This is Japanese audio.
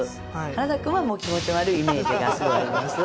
原田君はもう気持ち悪いイメージがすごいあります